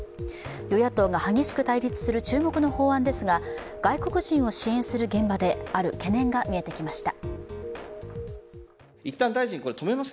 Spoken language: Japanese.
与野党が激しく対立する注目の法案ですが外国人を支援する現場で、ある懸念が見えてきました。